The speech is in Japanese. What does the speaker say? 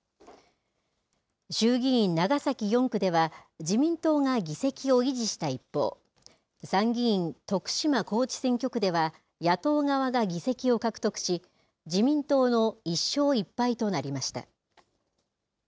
衆議院長崎４区では、自民党が議席を維持した一方、参議院徳島高知選挙区では、野党側が議席を獲得し、自民党の１勝１敗となりました。